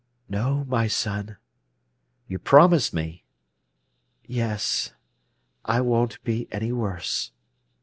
"No, my son." "You promise me?" "Yes; I won't be any worse."